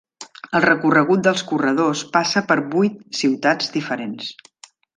El recorregut dels corredors passa per vuit ciutats diferents.